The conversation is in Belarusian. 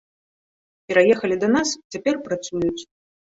Пераехалі да нас і цяпер працуюць.